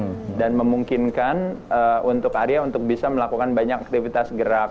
saya juga memikirkan untuk aria untuk bisa melakukan banyak aktivitas gerak